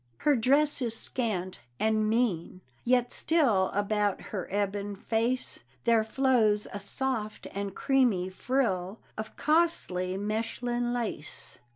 Her dress is scant and mean; yet still About her ebon face There flows a soft and creamy frill Of costly Mechlin lace.